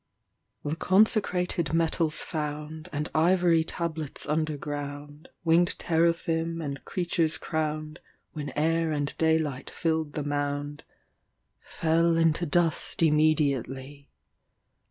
The consecrated metals found, And ivory tablets underground, Winged teraphim and creatures crowned, When air and daylight filled the mound, Fell into dust immediately.